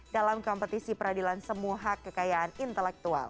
dalam kompetisi peradilan semuhak kekayaan intelektual